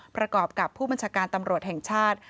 ประกอบกับผู้บัญชาการตำรวจแห่งชาติ